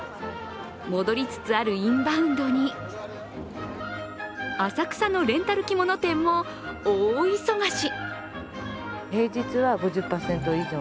戻りつつあるインバウンドに浅草のレンタル着物店も大忙し！